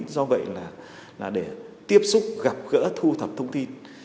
do vậy là để tiếp xúc gặp gỡ thu thập thông tin